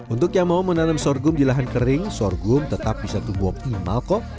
untuk yang mau menanam sorghum di lahan kering sorghum tetap bisa tumbuh optimal kok